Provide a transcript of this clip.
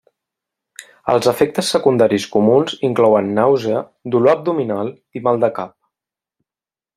Els efectes secundaris comuns inclouen nàusea, dolor abdominal, i mal de cap.